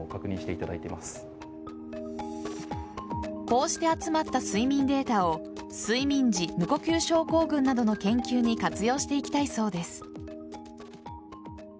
こうして集まった睡眠データを睡眠時無呼吸症候群などの研究に活用していきたいそうです。